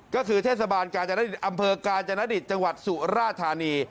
ก็คือเทศบาลกาญจนอำเภอกาญจนดิตจังหวัดสุราธานี